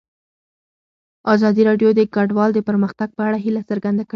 ازادي راډیو د کډوال د پرمختګ په اړه هیله څرګنده کړې.